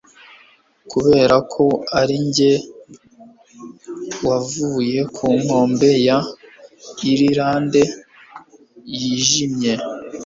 Kuberako ari njye wavuye ku nkombe ya Irilande yijimye,